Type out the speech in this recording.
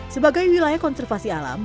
sebagai wilayah konservasi alam